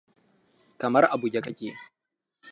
Kamar a buge kake.